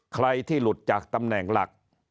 ใครที่หลุดจากตำแหน่งหลัก